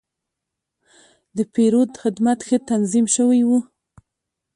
د پیرود خدمت ښه تنظیم شوی و.